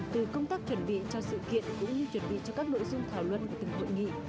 từ công tác chuẩn bị cho sự kiện cũng như chuẩn bị cho các nội dung thảo luận của từng hội nghị